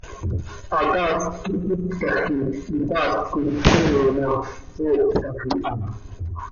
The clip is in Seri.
Hataast quih quiptax quih itaast coi tcooo ma, ooptax iha.